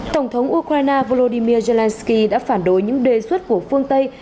tổng thống ukraine volodymyr zelenskyy đã phản đối những đề xuất của phương tây